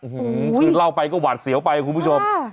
คือเล่าไปก็หวาดเสียวไปคุณผู้ชม